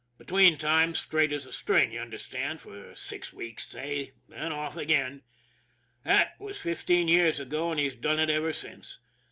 Between times straight as a string, you understand, for six weeks say, then off again. That was fifteen years ago, and he's done it ever since.